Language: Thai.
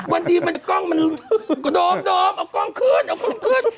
วันนี้มันกล้องดมเอากล้องขึ้น